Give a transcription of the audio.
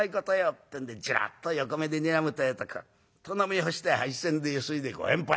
ってんでちらっと横目でにらむってえとクッと飲み干して杯洗でゆすいでご返杯。